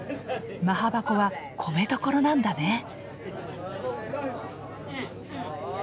マハバコは米どころなんだね。